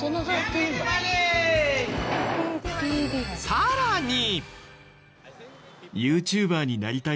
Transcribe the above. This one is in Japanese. さらに。